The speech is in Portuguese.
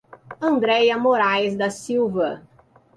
Andreia Moraes da Silva